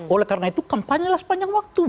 oleh karena itu kampanye lah sepanjang waktu